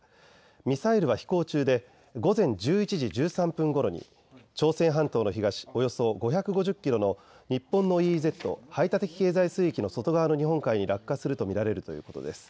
ミサイルは飛行中で午前１１時１３分ごろに朝鮮半島の東およそ５５０キロの日本のＥＥＺ・排他的経済水域の外側の日本海に落下すると見られるということです。